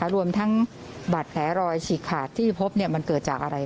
รวมทั้งบาดแผลรอยฉีกขาดที่พบมันเกิดจากอะไร